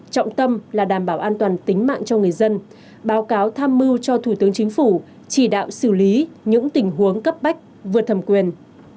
trọng tâm là đảm bảo an toàn tính mạng cho người dân báo cáo tham mưu cho thủ tướng chính phủ chỉ đạo xử lý những tình huống cấp bách vượt thẩm quyền